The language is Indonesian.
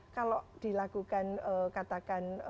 kalau dilakukan katakan